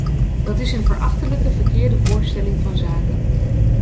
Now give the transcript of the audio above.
Dat is een verachtelijke verkeerde voorstelling van zaken.